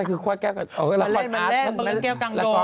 อะไรคือคว้อแก้วกับโปรดรัคคาทมาเล่นแก้วกางโด